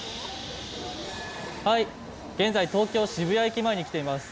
現在、東京・渋谷駅前に来ています。